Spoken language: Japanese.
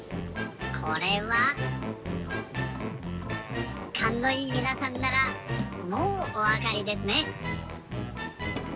これは。かんのいいみなさんならもうおわかりですね。